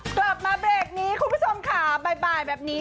กลับมาเบคนี้คุณผู้ชมขาบ๊ายบายแบบนี้